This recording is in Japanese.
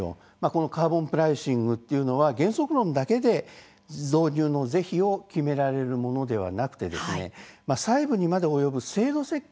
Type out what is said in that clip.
カーボンプライシングは原則論だけで導入の是非を決められるものではなくて細部にまで及ぶ制度設計